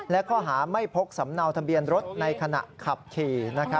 และข้อหาไม่พกสำเนาทะเบียนรถในขณะขับขี่